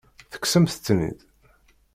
Tekksemt-ten-id?